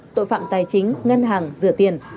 tội phạm tài chính ngân hàng rửa tiền